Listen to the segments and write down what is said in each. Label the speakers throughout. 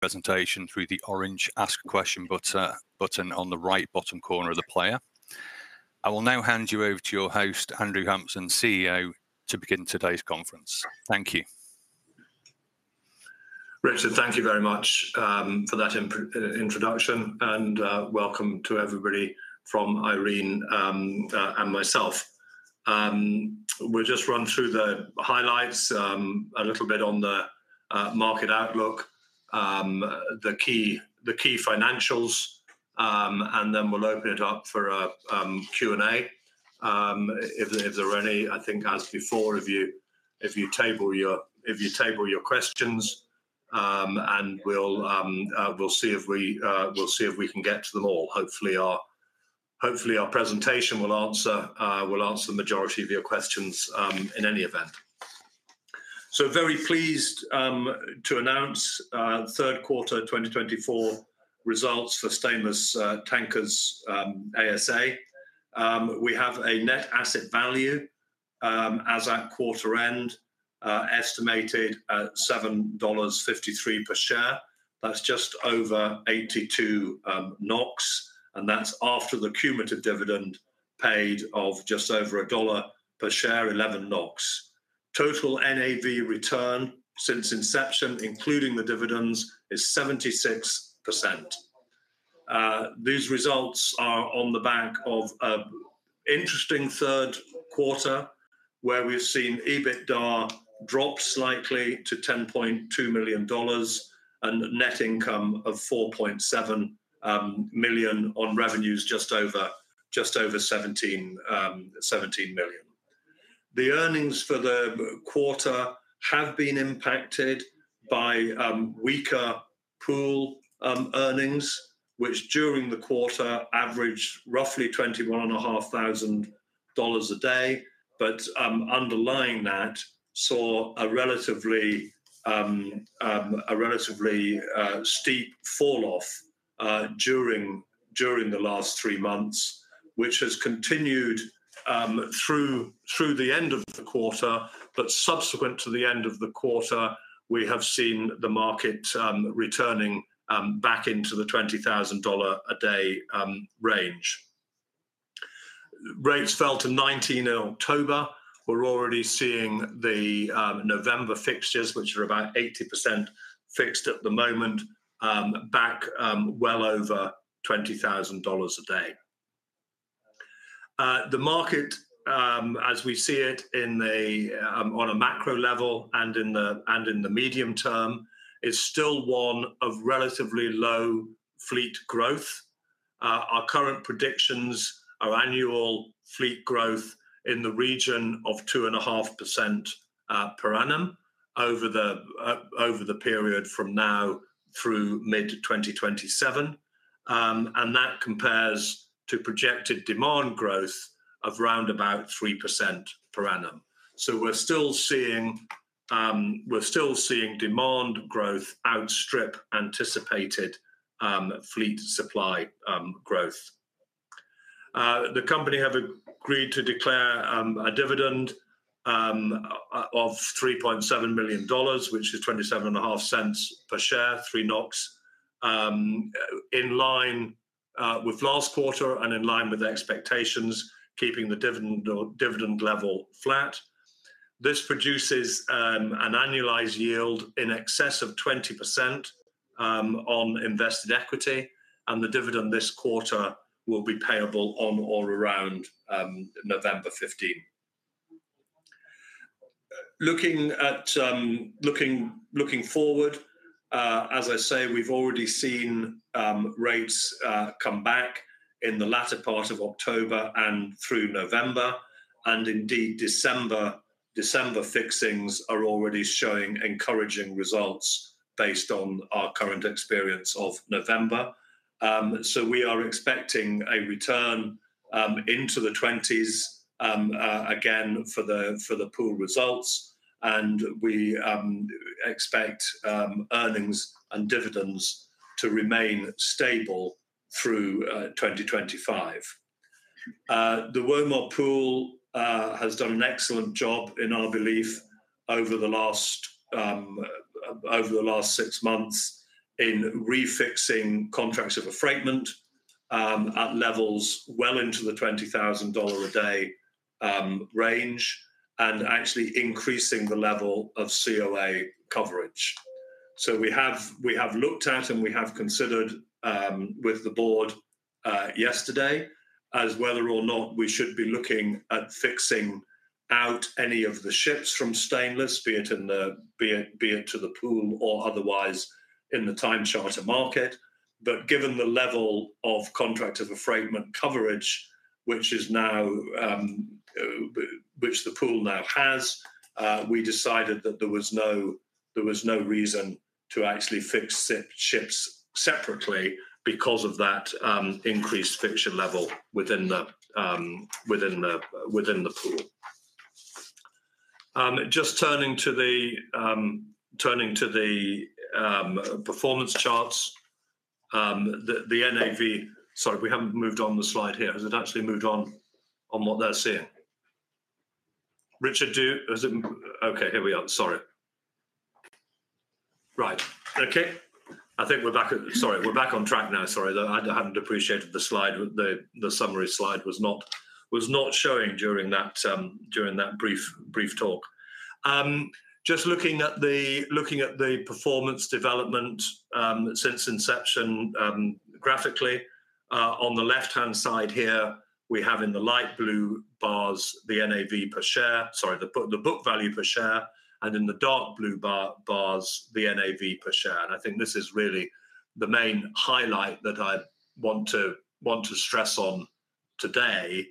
Speaker 1: Presentation through the orange Ask a Question button on the right bottom corner of the player. I will now hand you over to your host, Andrew Hampson, CEO, to begin today's conference. Thank you.
Speaker 2: Richard, thank you very much for that introduction, and welcome to everybody from Irene and myself. We'll just run through the highlights, a little bit on the market outlook, the key financials, and then we'll open it up for a Q&A. If there are any, I think as before, if you table your questions, and we'll see if we can get to them all. Hopefully, our presentation will answer the majority of your questions in any event. So very pleased to announce third quarter 2024 results for Stainless Tankers ASA. We have a net asset value as at quarter end estimated at $7.53 per share. That's just over 82 NOK, and that's after the cumulative dividend paid of just over $1 per share, 11 NOK. Total NAV return since inception, including the dividends, is 76%. These results are on the back of an interesting third quarter where we've seen EBITDA drop slightly to $10.2 million and net income of $4.7 million on revenues just over $17 million. The earnings for the quarter have been impacted by weaker pool earnings, which during the quarter averaged roughly $21,500 a day. But underlying that saw a relatively steep falloff during the last three months, which has continued through the end of the quarter. But subsequent to the end of the quarter, we have seen the market returning back into the $20,000 a day range. Rates fell to $19,000 in October. We're already seeing the November fixtures, which are about 80% fixed at the moment, back well over $20,000 a day. The market, as we see it on a macro level and in the medium term, is still one of relatively low fleet growth. Our current predictions are annual fleet growth in the region of 2.5% per annum over the period from now through mid-2027. And that compares to projected demand growth of around about 3% per annum. So we're still seeing demand growth outstrip anticipated fleet supply growth. The company has agreed to declare a dividend of $3.7 million, which is $0.275 per share, in line with last quarter and in line with expectations, keeping the dividend level flat. This produces an annualized yield in excess of 20% on invested equity. And the dividend this quarter will be payable on or around November 15. Looking forward, as I say, we've already seen rates come back in the latter part of October and through November. And indeed, December fixings are already showing encouraging results based on our current experience of November. So we are expecting a return into the 20s again for the pool results. And we expect earnings and dividends to remain stable through 2025. The Womar Pool has done an excellent job, in our belief, over the last six months in refixing contracts of affreightment at levels well into the $20,000 a day range and actually increasing the level of COA coverage. So we have looked at and we have considered with the board yesterday as to whether or not we should be looking at fixing out any of the ships from Stainless, be it to the pool or otherwise in the time charter market. But given the level of contract of affreightment coverage, which the pool now has, we decided that there was no reason to actually fix ships separately because of that increased fixture level within the pool. Just turning to the performance charts, the NAV, sorry, we haven't moved on the slide here. Has it actually moved on what they're seeing? Richard, okay, here we are. Sorry. Right. Okay. I think we're back. Sorry, we're back on track now. Sorry, I hadn't appreciated the summary slide was not showing during that brief talk. Just looking at the performance development since inception graphically, on the left-hand side here, we have in the light blue bars the NAV per share, sorry, the book value per share, and in the dark blue bars, the NAV per share. And I think this is really the main highlight that I want to stress on today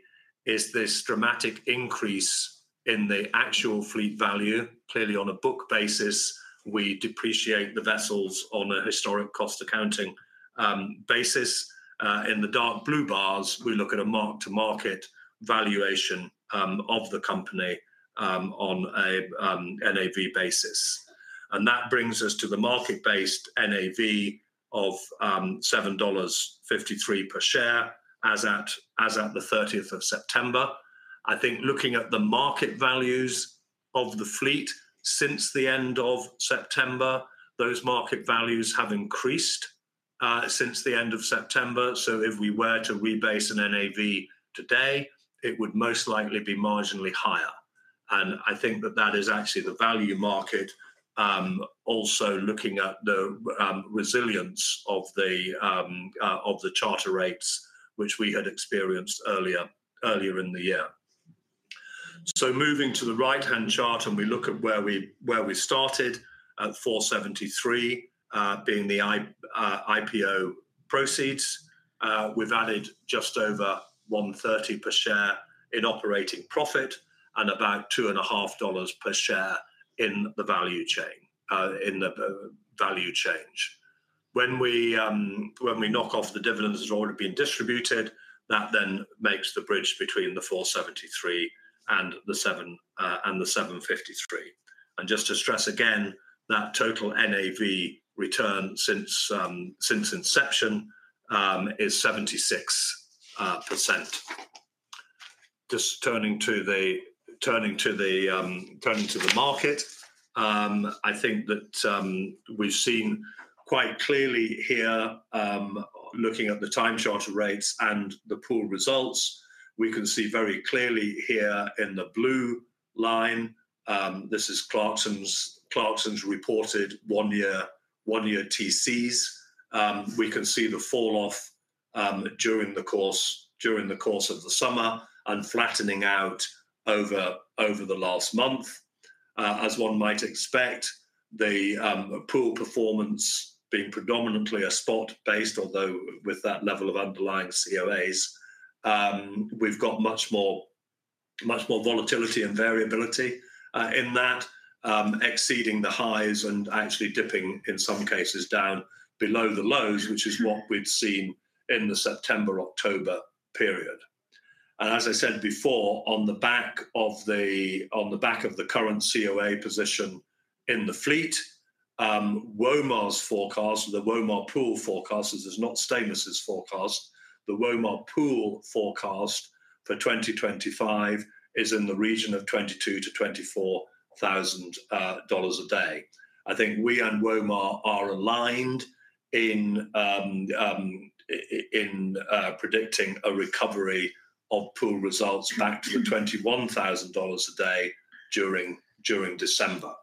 Speaker 2: is this dramatic increase in the actual fleet value. Clearly, on a book basis, we depreciate the vessels on a historic cost accounting basis. In the dark blue bars, we look at a mark-to-market valuation of the company on an NAV basis, and that brings us to the market-based NAV of $7.53 per share as at the 30th of September. I think looking at the market values of the fleet since the end of September, those market values have increased since the end of September, so if we were to rebase an NAV today, it would most likely be marginally higher, and I think that that is actually the value market, also looking at the resilience of the charter rates, which we had experienced earlier in the year, so moving to the right-hand chart, and we look at where we started at $4.73 being the IPO proceeds. We've added just over $1.30 per share in operating profit and about $2.50 per share in the value change. When we knock off the dividends that have already been distributed, that then makes the bridge between the $4.73 and the $7.53. And just to stress again, that total NAV return since inception is 76%. Just turning to the market, I think that we've seen quite clearly here, looking at the time chart of rates and the pool results, we can see very clearly here in the blue line. This is Clarksons's reported one-year TCs. We can see the falloff during the course of the summer and flattening out over the last month. As one might expect, the pool performance being predominantly a spot-based, although with that level of underlying COAs, we've got much more volatility and variability in that, exceeding the highs and actually dipping in some cases down below the lows, which is what we'd seen in the September-October period. And as I said before, on the back of the current COA position in the fleet, Womar's forecast, the Womar Pool forecast, this is not Stainless's forecast, the Womar Pool forecast for 2025 is in the region of $22,000-$24,000 a day. I think we and Womar are aligned in predicting a recovery of pool results back to the $21,000 a day during December,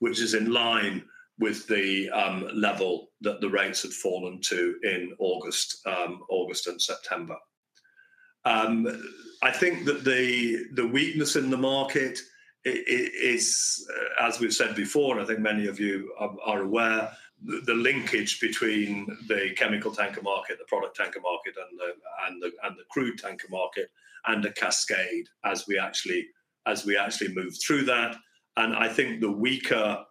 Speaker 2: which is in line with the level that the rates had fallen to in August and September. I think that the weakness in the market is, as we've said before, and I think many of you are aware, the linkage between the chemical tanker market, the product tanker market, and the crude tanker market and the cascade as we actually move through that. I think the weaker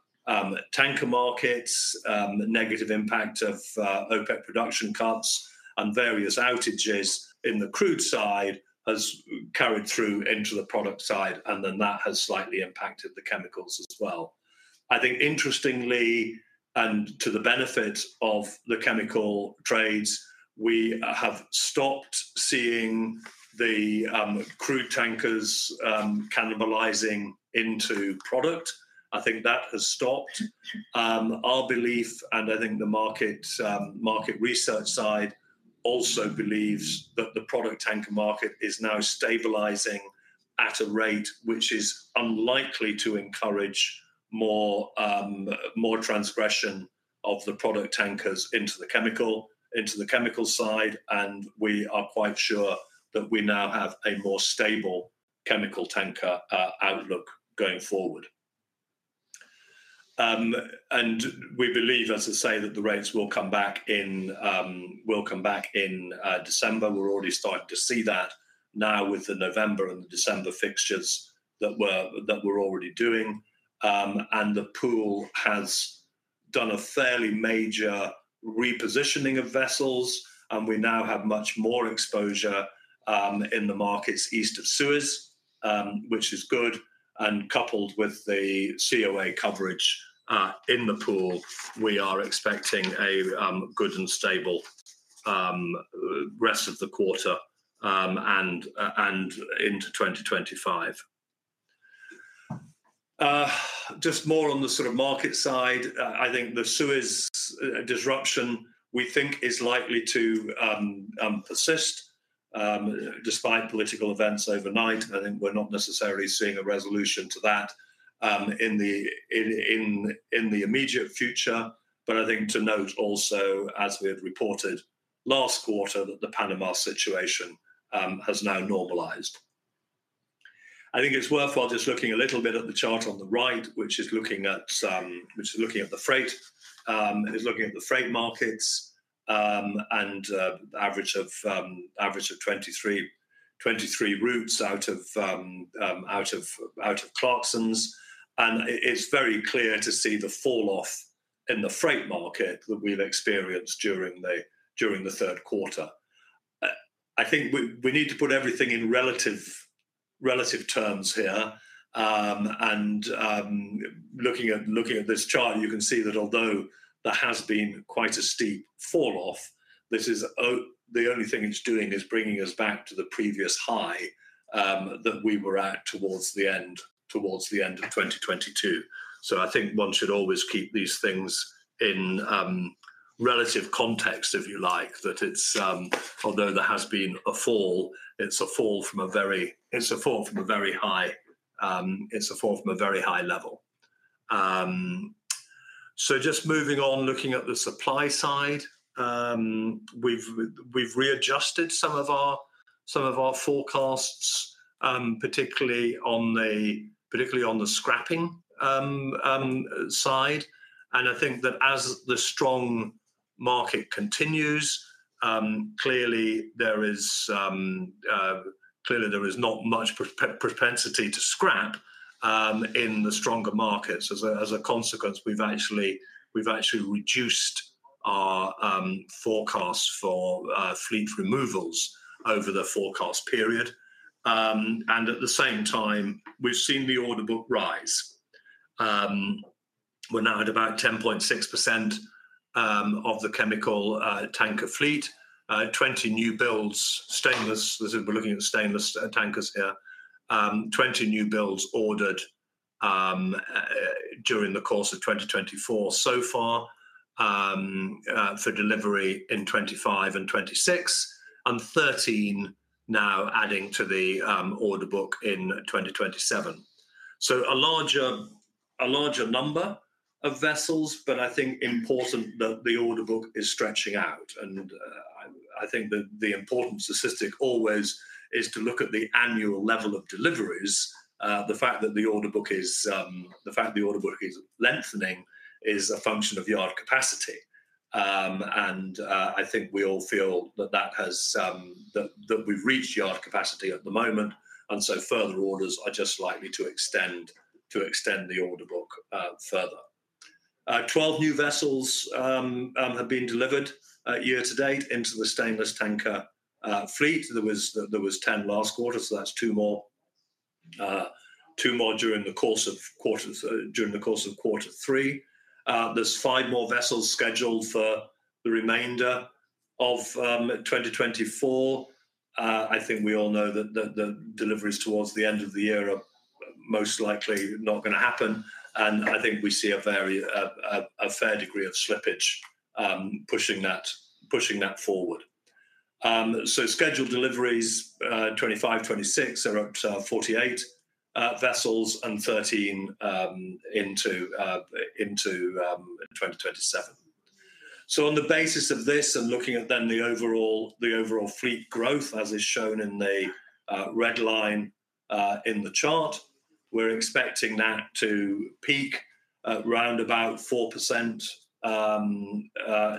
Speaker 2: tanker markets, negative impact of OPEC production cuts and various outages in the crude side has carried through into the product side, and then that has slightly impacted the chemicals as well. I think interestingly, and to the benefit of the chemical trades, we have stopped seeing the crude tankers cannibalizing into product. I think that has stopped. Our belief, and I think the market research side also believes that the product tanker market is now stabilizing at a rate which is unlikely to encourage more transgression of the product tankers into the chemical side. We are quite sure that we now have a more stable chemical tanker outlook going forward. We believe, as I say, that the rates will come back in December. We're already starting to see that now with the November and the December fixtures that we're already doing. And the pool has done a fairly major repositioning of vessels. And we now have much more exposure in the markets east of Suez, which is good. And coupled with the COA coverage in the pool, we are expecting a good and stable rest of the quarter and into 2025. Just more on the sort of market side, I think the Suez disruption, we think, is likely to persist despite political events overnight. I think we're not necessarily seeing a resolution to that in the immediate future. But I think to note also, as we had reported last quarter, that the Panama situation has now normalized. I think it's worthwhile just looking a little bit at the chart on the right, which is looking at the freight markets and the average of 23 routes out of Clarksons. It's very clear to see the falloff in the freight market that we've experienced during the third quarter. I think we need to put everything in relative terms here. Looking at this chart, you can see that although there has been quite a steep falloff, this is the only thing it's doing is bringing us back to the previous high that we were at towards the end of 2022. I think one should always keep these things in relative context, if you like, that although there has been a fall, it's a fall from a very high level. Just moving on, looking at the supply side, we've readjusted some of our forecasts, particularly on the scrapping side. I think that as the strong market continues, clearly, there is not much propensity to scrap in the stronger markets. As a consequence, we've actually reduced our forecasts for fleet removals over the forecast period. At the same time, we've seen the order book rise. We're now at about 10.6% of the chemical tanker fleet. 20 new builds, Stainless, as we're looking at Stainless tankers here, 20 new builds ordered during the course of 2024 so far for delivery in 2025 and 2026, and 13 now adding to the order book in 2027. A larger number of vessels, but I think important that the order book is stretching out. I think the important statistic always is to look at the annual level of deliveries. The fact that the order book is lengthening is a function of yard capacity. I think we all feel that we've reached yard capacity at the moment. And so further orders are just likely to extend the order book further. Twelve new vessels have been delivered year to date into the Stainless tanker fleet. There were 10 last quarter, so that's two more during the course of quarter three. There are five more vessels scheduled for the remainder of 2024. I think we all know that the deliveries towards the end of the year are most likely not going to happen. And I think we see a fair degree of slippage pushing that forward. So scheduled deliveries 2025, 2026 are up to 48 vessels and 13 into 2027. So on the basis of this and looking at then the overall fleet growth, as is shown in the red line in the chart, we're expecting that to peak around about 4%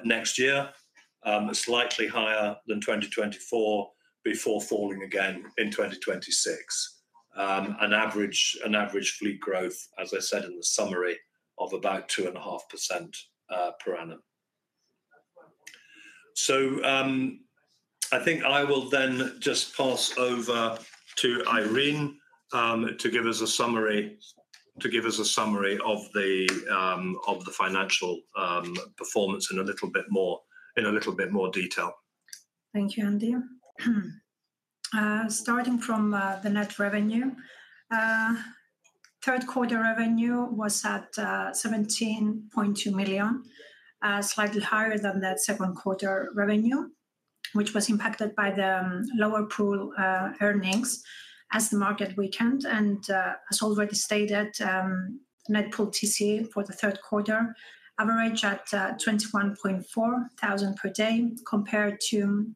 Speaker 2: next year, slightly higher than 2024 before falling again in 2026. An average fleet growth, as I said in the summary, of about 2.5% per annum. I think I will then just pass over to Irene to give us a summary of the financial performance in a little bit more detail.
Speaker 3: Thank you, Andy. Starting from the net revenue, third quarter revenue was at $17.2 million, slightly higher than the second quarter revenue, which was impacted by the lower pool earnings as the market weakened. As already stated, net pool TC for the third quarter averaged at $21,400 per day compared to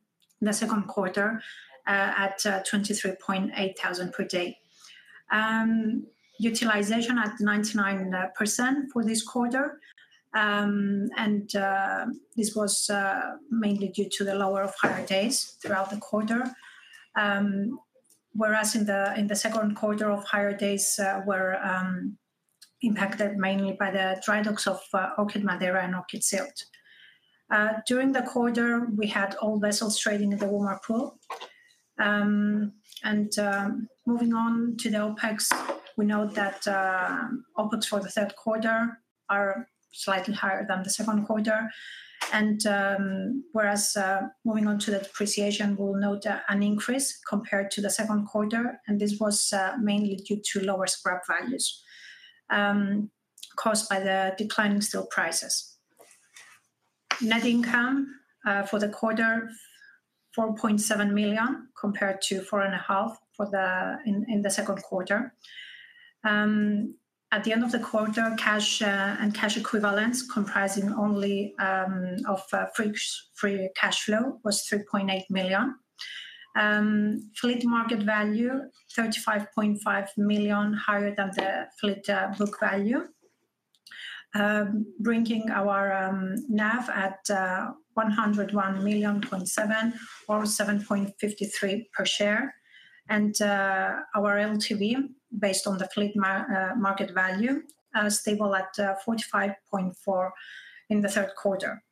Speaker 3: the second quarter at $23,800 per day. Utilization at 99% for this quarter. This was mainly due to the lower off-hire days throughout the quarter, whereas in the second quarter, off-hire days were impacted mainly by the dry docks of Orchid Madeira and Orchid Sylt. During the quarter, we had all vessels trading in the Womar Pool. And moving on to the OpEx, we note that OpEx for the third quarter are slightly higher than the second quarter. And whereas moving on to the depreciation, we'll note an increase compared to the second quarter. And this was mainly due to lower scrap values caused by the declining steel prices. Net income for the quarter, $4.7 million compared to $4.5 million in the second quarter. At the end of the quarter, cash and cash equivalents comprising only of free cash flow was $3.8 million. Fleet market value, $35.5 million higher than the fleet book value, bringing our NAV $101.7 or $7.53 per share. And our LTV, based on the fleet market value, stable at 45.4% in the third quarter.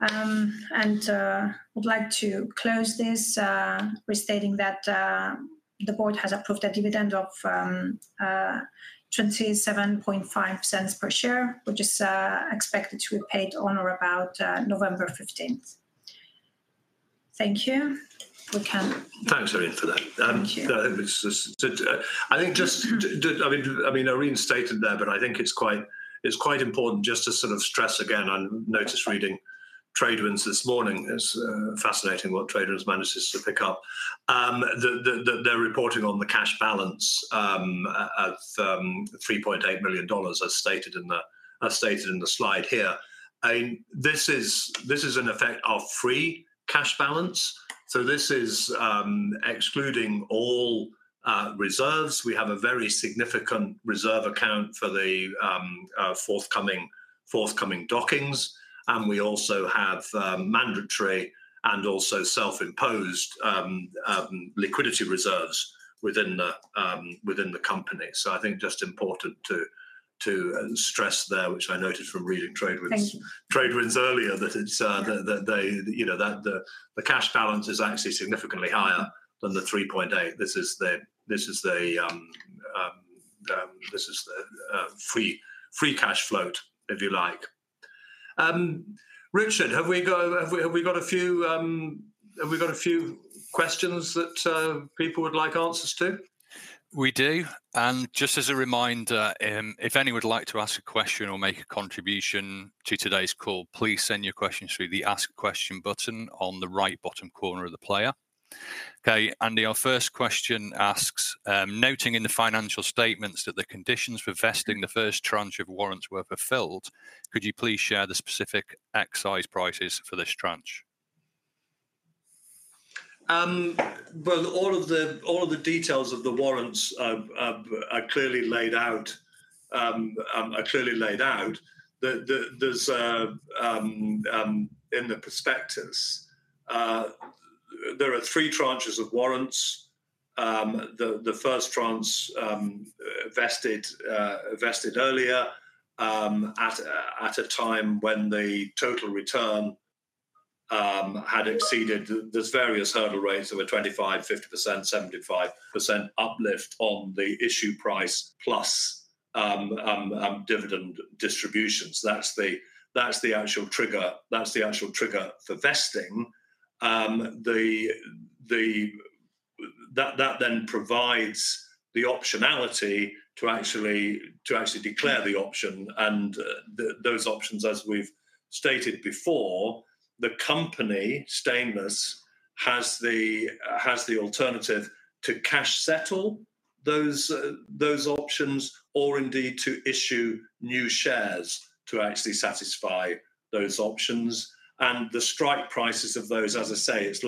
Speaker 3: I would like to close this restating that the board has approved a dividend of $0.275 per share, which is expected to be paid on or about November 15th. Thank you. We can.
Speaker 2: Thanks, Irene, for that. Thank you. I think just, I mean, Irene stated there, but I think it's quite important just to sort of stress again, and notice reading TradeWinds this morning, it's fascinating what TradeWinds manages to pick up, that they're reporting on the cash balance of $3.8 million, as stated in the slide here. This is an effect of free cash balance. So this is excluding all reserves. We have a very significant reserve account for the forthcoming dockings. And we also have mandatory and also self-imposed liquidity reserves within the company. I think just important to stress there, which I noted from reading TradeWinds earlier, that the cash balance is actually significantly higher than the 3.8. This is the free cash float, if you like. Richard, have we got a few questions that people would like answers to?
Speaker 1: We do. And just as a reminder, if any would like to ask a question or make a contribution to today's call, please send your questions through the Ask Question button on the right bottom corner of the player. Okay, Andy, our first question asks, noting in the financial statements that the conditions for vesting the first tranche of warrants were fulfilled, could you please share the specific exercise prices for this tranche?
Speaker 2: Well, all of the details of the warrants are clearly laid out. They're in the prospectus. There are three tranches of warrants. The first tranche vested earlier at a time when the total return had exceeded these various hurdle rates that were 25%, 50%, 75% uplift on the issue price plus dividend distributions. That's the actual trigger. That's the actual trigger for vesting. That then provides the optionality to actually declare the option, and those options, as we've stated before, the company, Stainless, has the alternative to cash settle those options or indeed to issue new shares to actually satisfy those options, and the strike prices of those, as I say, it's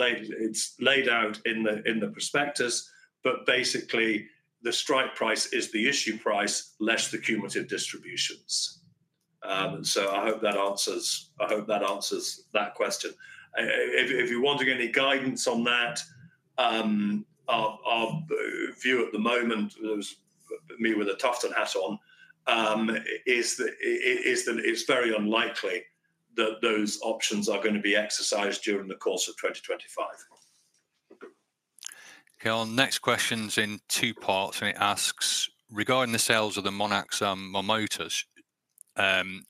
Speaker 2: laid out in the prospectus, but basically, the strike price is the issue price less the cumulative distributions, so I hope that answers that question. If you're wanting any guidance on that, our view at the moment, me with a Tufton hat on, is that it's very unlikely that those options are going to be exercised during the course of 2025.
Speaker 1: Okay, our next question's in two parts, and it asks, regarding the sales of the Monax and Marmota,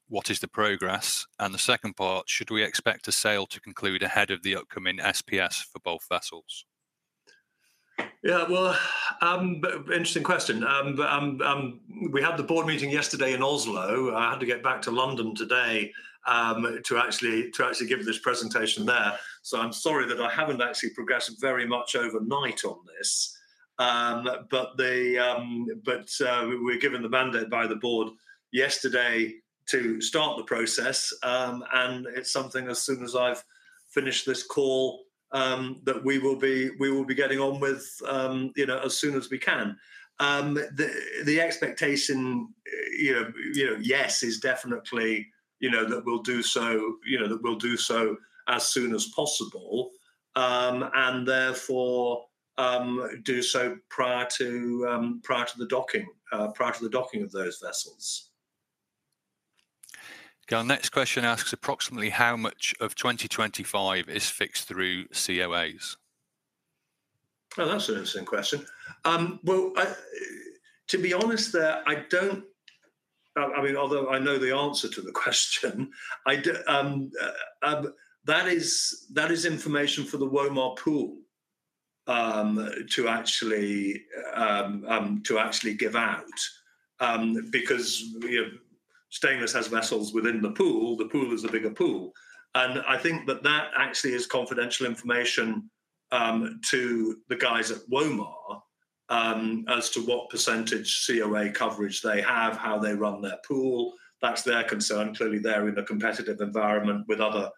Speaker 1: what is the progress? And the second part, should we expect a sale to conclude ahead of the upcoming SPS for both vessels?
Speaker 2: Yeah, well, interesting question. We had the board meeting yesterday in Oslo. I had to get back to London today to actually give this presentation there. So I'm sorry that I haven't actually progressed very much overnight on this. But we were given the mandate by the board yesterday to start the process. It's something, as soon as I've finished this call, that we will be getting on with as soon as we can. The expectation, yes, is definitely that we'll do so, that we'll do so as soon as possible and therefore do so prior to the docking of those vessels.
Speaker 1: Okay, our next question asks, approximately how much of 2025 is fixed through COAs?
Speaker 2: Oh, that's an interesting question. To be honest, I don't, I mean, although I know the answer to the question, that is information for the Womar Pool to actually give out because Stainless has vessels within the pool. The pool is a bigger pool. I think that that actually is confidential information to the guys at Womar as to what percentage COA coverage they have, how they run their pool. That's their concern. Clearly, they're in a competitive environment with other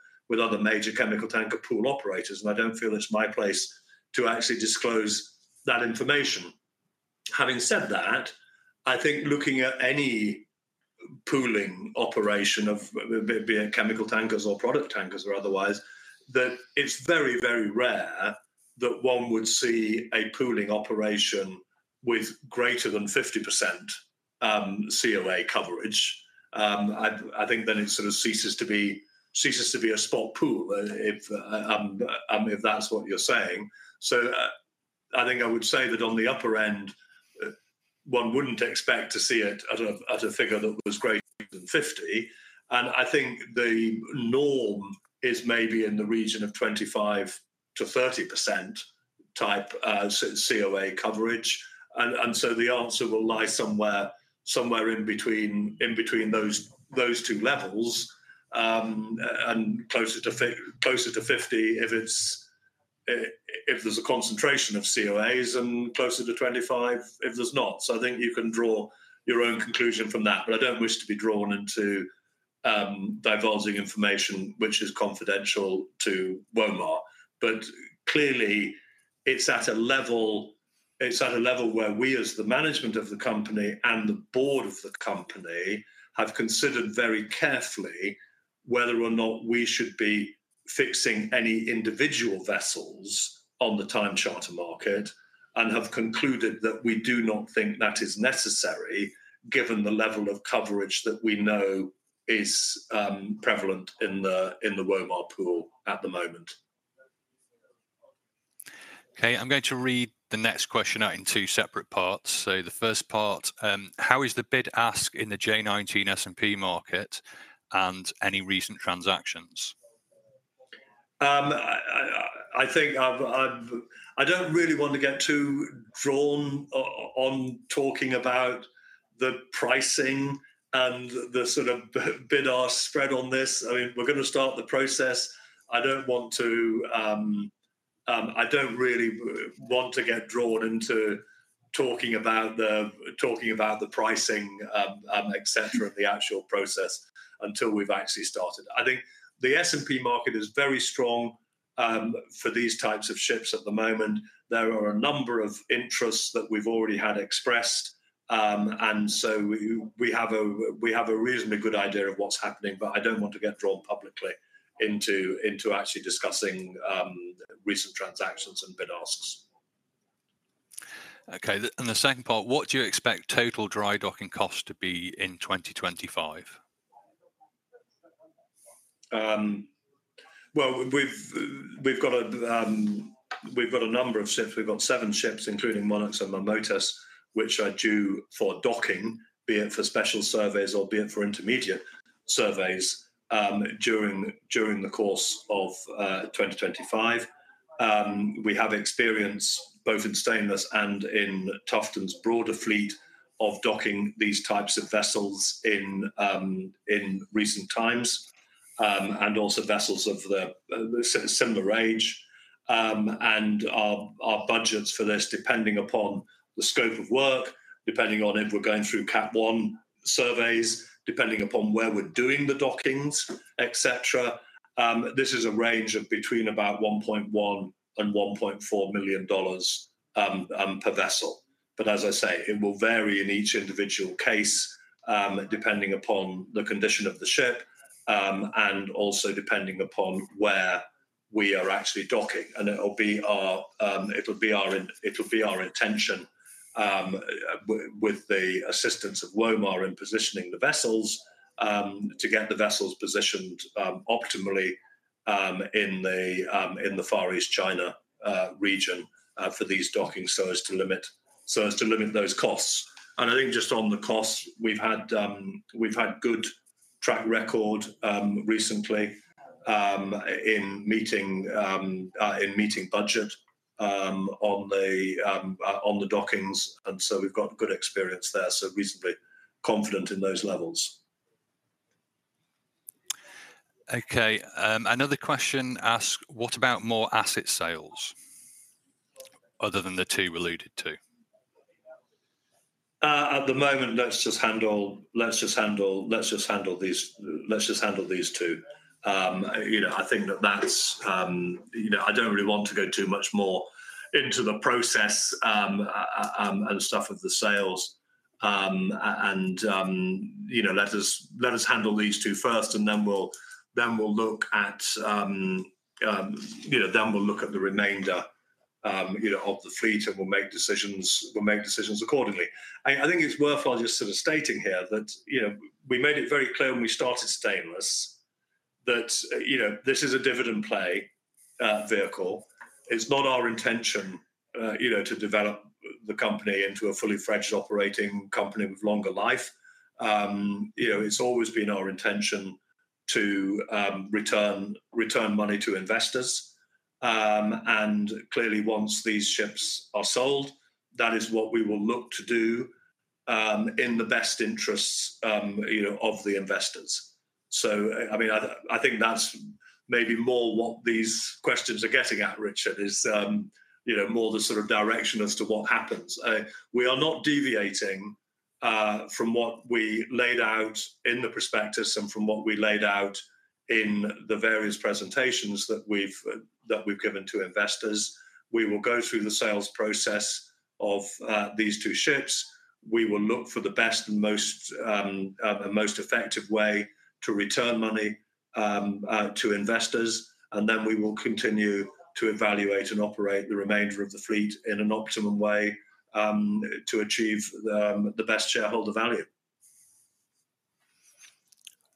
Speaker 2: major chemical tanker pool operators. And I don't feel it's my place to actually disclose that information. Having said that, I think looking at any pooling operation of chemical tankers or product tankers or otherwise, that it's very, very rare that one would see a pooling operation with greater than 50% COA coverage. I think then it sort of ceases to be a spot pool if that's what you're saying. So I think I would say that on the upper end, one wouldn't expect to see it at a figure that was greater than 50%. And I think the norm is maybe in the region of 25%-30% type COA coverage. And so the answer will lie somewhere in between those two levels and closer to 50% if there's a concentration of COAs and closer to 25% if there's not. So I think you can draw your own conclusion from that. But I don't wish to be drawn into divulging information which is confidential to Womar. But clearly, it's at a level where we, as the management of the company and the board of the company, have considered very carefully whether or not we should be fixing any individual vessels on the time charter market and have concluded that we do not think that is necessary given the level of coverage that we know is prevalent in the Womar Pool at the moment.
Speaker 1: Okay, I'm going to read the next question out in two separate parts. So the first part, how is the bid-ask in the J19 S&P market and any recent transactions?
Speaker 2: I think I don't really want to get too drawn on talking about the pricing and the sort of bid-ask spread on this. I mean, we're going to start the process. I don't want to, I don't really want to get drawn into talking about the pricing, etc., the actual process until we've actually started. I think the S&P market is very strong for these types of ships at the moment. There are a number of interests that we've already had expressed. And so we have a reasonably good idea of what's happening, but I don't want to get drawn publicly into actually discussing recent transactions and bid asks.
Speaker 1: Okay, and the second part, what do you expect total dry docking cost to be in 2025?
Speaker 2: Well, we've got a number of ships. We've got seven ships, including Monax and Marmota, which are due for docking, be it for special surveys or be it for intermediate surveys during the course of 2025. We have experience both in Stainless and in Tufton and broader fleet of docking these types of vessels in recent times and also vessels of similar age. And our budgets for this depending upon the scope of work, depending on if we're going through CAP 1 surveys, depending upon where we're doing the dockings, etc. This is a range of between about $1.1-$1.4 million per vessel. But as I say, it will vary in each individual case depending upon the condition of the ship and also depending upon where we are actually docking. And it'll be our intention with the assistance of Womar in positioning the vessels to get the vessels positioned optimally in the Far East China region for these docking so as to limit those costs. And I think just on the costs, we've had good track record recently in meeting budget on the dockings. We've got good experience there, so reasonably confident in those levels.
Speaker 1: Okay, another question asks, what about more asset sales other than the two we alluded to?
Speaker 2: At the moment, let's just handle these two. I think that's, I don't really want to go too much more into the process and stuff of the sales. Let us handle these two first, and then we'll look at the remainder of the fleet and we'll make decisions accordingly. I think it's worthwhile just sort of stating here that we made it very clear when we started Stainless that this is a dividend play vehicle. It's not our intention to develop the company into a fully-fledged operating company with longer life. It's always been our intention to return money to investors. Clearly, once these ships are sold, that is what we will look to do in the best interests of the investors. I mean, I think that's maybe more what these questions are getting at, Richard, is more the sort of direction as to what happens. We are not deviating from what we laid out in the prospectus and from what we laid out in the various presentations that we've given to investors. We will go through the sales process of these two ships. We will look for the best and most effective way to return money to investors. Then we will continue to evaluate and operate the remainder of the fleet in an optimum way to achieve the best shareholder value.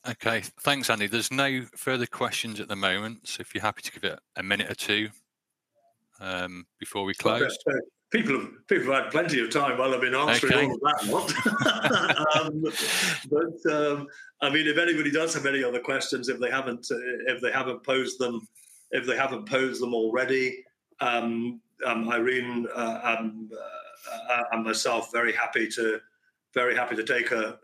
Speaker 1: Okay, thanks, Andy. There's no further questions at the moment. If you're happy to give it a minute or two before we close.
Speaker 2: People have had plenty of time while I've been answering all of that. But I mean, if anybody does have any other questions, if they haven't posed them already, Irene and myself, very happy to take a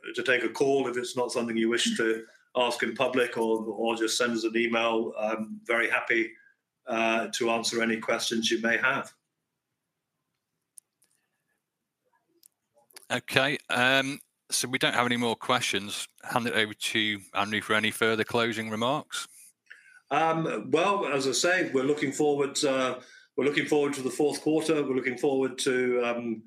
Speaker 2: call. If it's not something you wish to ask in public or just send us an email, I'm very happy to answer any questions you may have.
Speaker 1: Okay, so we don't have any more questions. Hand it over to Andrew for any further closing remarks.
Speaker 2: Well, as I say, we're looking forward to the fourth quarter. We're looking forward to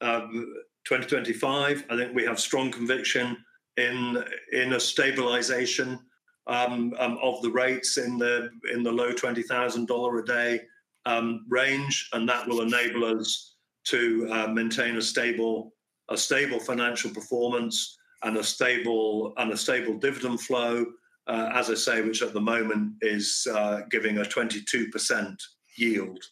Speaker 2: 2025. I think we have strong conviction in a stabilization of the rates in the low $20,000 a day range. And that will enable us to maintain a stable financial performance and a stable dividend flow, as I say, which at the moment is giving a 22% yield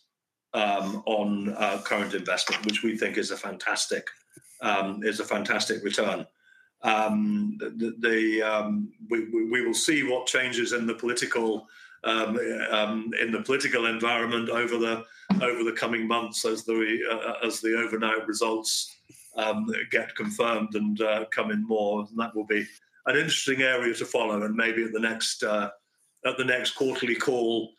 Speaker 2: on current investment, which we think is a fantastic return. We will see what changes in the political environment over the coming months as the overnight results get confirmed and come in more. And that will be an interesting area to follow. And maybe at the next quarterly call,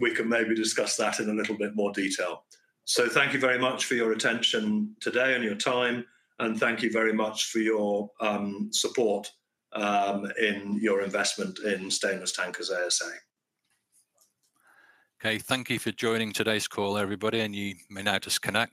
Speaker 2: we can maybe discuss that in a little bit more detail. So thank you very much for your attention today and your time. And thank you very much for your support in your investment in Stainless Tankers ASA.
Speaker 1: Okay, thank you for joining today's call, everybody. And you may now disconnect.